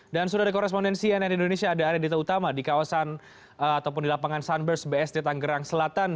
dan sudah di korespondensi nn indonesia ada area dita utama di kawasan ataupun di lapangan sunburst bsd tanggerang selatan